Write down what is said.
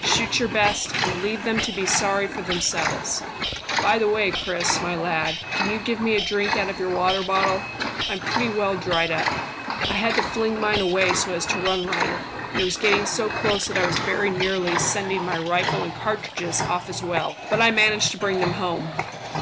Shoot your best, and leave them to be sorry for themselves. By the way, Chris, my lad, can you give me a drink out of your water bottle? I'm pretty well dried up. I had to fling mine away so as to run lighter, and it was getting so close that I was very nearly sending my rifle and cartridges off as well. But I managed to bring them home.